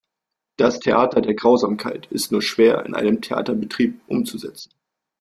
Das Theater der Grausamkeit ist nur schwer in einem Theaterbetrieb umzusetzen.